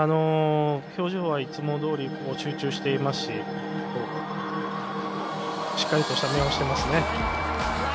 表情はいつもどおり集中していますししっかりとした目をしてますね。